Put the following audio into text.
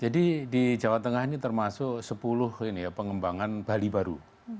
jadi di jawa tengah ini termasuk sepuluh pengembangan bali baru